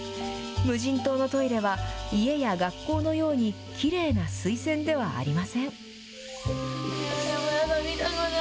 無人島のトイレは、家や学校のように、きれいな水洗ではありません。